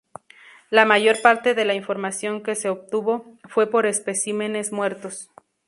La mayor parte de la información que se obtuvo fue por especímenes muertos.